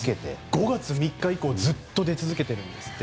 ５月３日以降ずっと出続けているんですって。